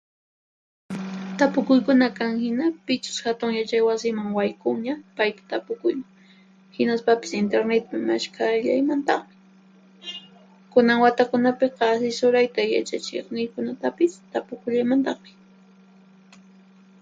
Tapukuykuna kan hina, pichus Hatun Yachay Wasiman waykunña, payta tapukuyman; hinaspapis intirnitpi mashkhallaymantaqmi. Kunan watakunapiqa asisurayta yachachiqniykunatapis tapukullaymantaqmi.